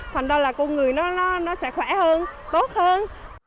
thành ra là con người nó sẽ khỏe hơn tốt hơn